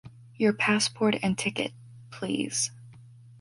Your passport and ticket, please.